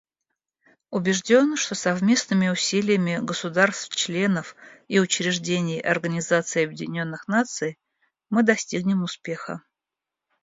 Убежден, что совместными усилиями государств-членов и учреждений Организации Объединенных Наций мы достигнем успеха.